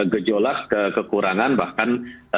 gejolak kekurangan bahkan